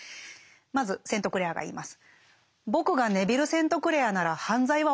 まずセントクレアが言います。